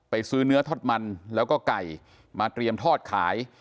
ซื้อเนื้อทอดมันแล้วก็ไก่มาเตรียมทอดขาย